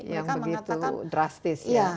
yang begitu drastis ya